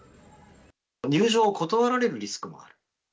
入場を断られるリスクがある。